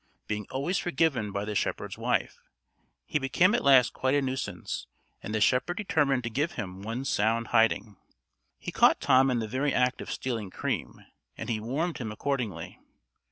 Being always forgiven by the shepherd's wife, he became at last quite a nuisance, and the shepherd determined to give him one sound hiding. He caught Tom in the very act of stealing cream, and he warmed him accordingly.